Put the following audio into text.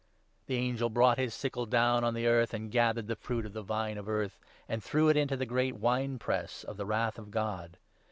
The 19 angel brought his sickle down on the earth and gathered the fruit of the Vine of Earth, and threw it into the great wine press of the Wrath of God.